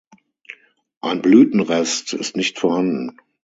Ein Blütenrest ist nicht vorhanden.